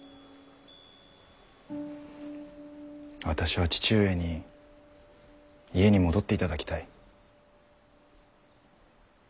私は父上に家に戻っていただきたい。